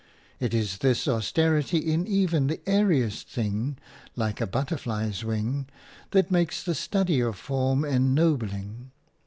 It is this austerity in even the airiest thing, like a butterfly's wing, that makes the study of form ennobling.